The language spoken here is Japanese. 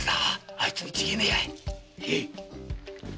あいつに違えねえや。